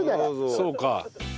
そうか。